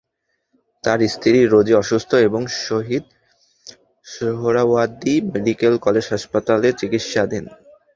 তাঁর স্ত্রী রোজি অসুস্থ এবং শহীদ সোহরাওয়ার্দী মেডিকেল কলেজ হাসপাতালে চিকিৎসাধীন।